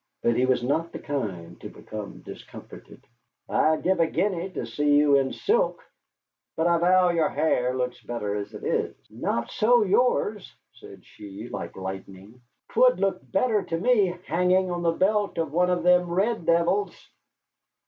But he was not the kind to become discomfited. "I'd give a guinea to see you in silk. But I vow your hair looks better as it is." "Not so yours," said she, like lightning; "'twould look better to me hanging on the belt of one of them red devils."